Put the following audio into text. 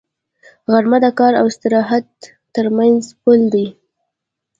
غرمه د کار او استراحت تر منځ پل دی